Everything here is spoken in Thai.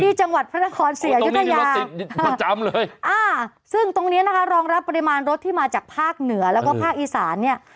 จังหวัดพระนครศรีอยุธยาประจำเลยอ่าซึ่งตรงเนี้ยนะคะรองรับปริมาณรถที่มาจากภาคเหนือแล้วก็ภาคอีสานเนี่ย